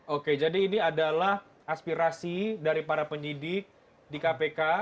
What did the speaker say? oke jadi ini adalah aspirasi dari para penyidik di kpk